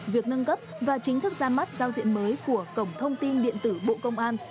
việc nâng cấp và chính thức ra mắt giao diện mới của cổng thông tin điện tử bộ công an